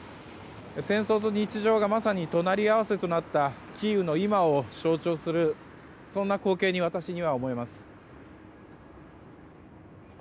戦争と日常がまさに隣り合わせとなったキーウの今を象徴するそんな光景に私には思えます。